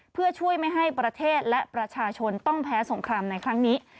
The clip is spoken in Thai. เพื่อช่วยไม่ให้ประเทศและประชาชนต้องแพ้สงครามในครั้งนี้